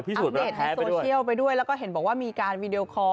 อัปเดตในโซเชียลไปด้วยแล้วก็เห็นบอกว่ามีการวีดีโอคอร์